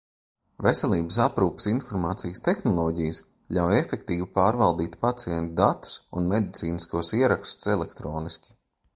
Veselības aprūpes informācijas tehnoloģijas ļauj efektīvi pārvaldīt pacientu datus un medicīniskos ierakstus elektroniski.